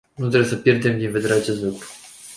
Nu trebuie să pierdem din vedere acest lucru.